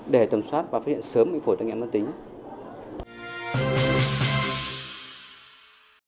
để tầm soát và phát hiện sớm bệnh phổi tăng nhãn mạng tính